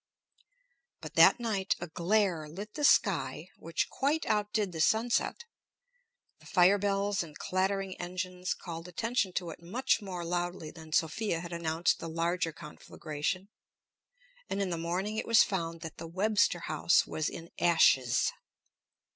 But that night a glare lit the sky which quite outdid the sunset; the fire bells and clattering engines called attention to it much more loudly than Sophia had announced the larger conflagration. And in the morning it was found that the Webster House was in ashes.